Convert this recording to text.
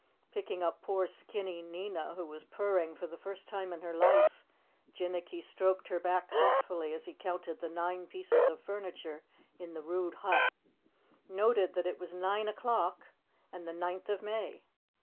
Picking up poor skinny Nina, who was purring for the first time in her life, Jinnicky stroked her back thoughtfully as he counted the nine pieces of furniture in the rude hut, noted that it was nine o'clock and the ninth of May.